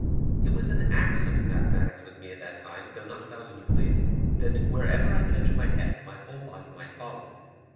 It was an axiom in mathematics with me at that time, though not found in Euclid, that wherever I could enter my head, my whole body might follow.